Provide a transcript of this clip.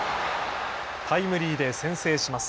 タイムリーで先制します。